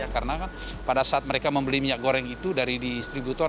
karena pada saat mereka membeli minyak goreng itu dari distributor